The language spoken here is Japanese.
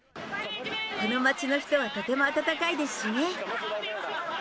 この街の人はとても温かいですしね。